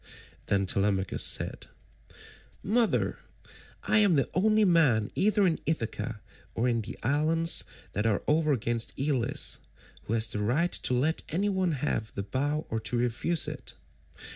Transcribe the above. Then Telemachus said, "Mother, I am the only man either in Ithaca or in the islands that are over against Elis who has the right to let any one have the bow or to refuse it.